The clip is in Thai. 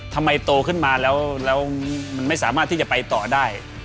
โตขึ้นมาแล้วมันไม่สามารถที่จะไปต่อได้